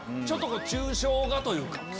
ちょっと抽象画というか。